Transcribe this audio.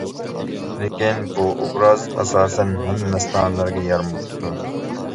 لېكىن بۇ ئوبراز ئاساسەن ھەممە مەستانىلەرگە يارىماپتۇ.